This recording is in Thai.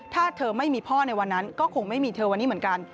ถ้าเธอไม่มีพ่อในวันนั้นก็คงไม่มีเธอวันนี้เหมือนกัน